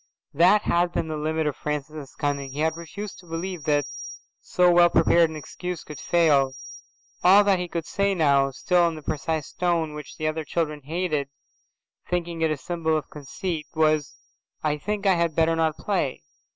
That had been the limit of Francis's cunning. He had refused to believe that so well prepared an excuse could fail. All that he could say now, still in the precise tone which other children hated, thinking it a symbol of conceit, was, "I think I had better not play."